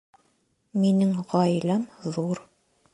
Минең ғаиләм ҙур